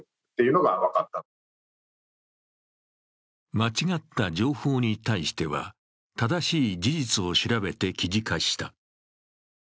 間違った情報に対しては、正しい事実を調べて記事化した。